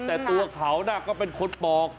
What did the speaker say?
แต่ตัวเขาก็เป็นคนปอก